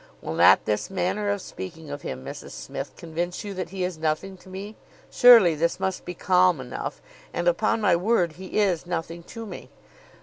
Will not this manner of speaking of him, Mrs Smith, convince you that he is nothing to me? Surely this must be calm enough. And, upon my word, he is nothing to me.